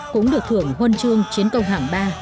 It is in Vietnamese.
cũng được thưởng huân chương chiến công hạng ba